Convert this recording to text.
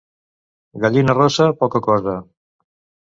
Gallina rossa, poca cosa.